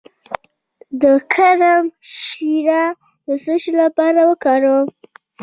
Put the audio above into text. د کرم شیره د څه لپاره وکاروم؟